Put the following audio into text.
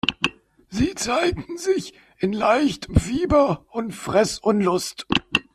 Sie zeigten sich in leichtem Fieber und Fressunlust.